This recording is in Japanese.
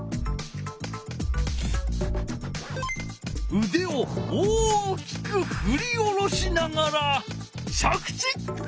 うでを大きくふり下ろしながら着地！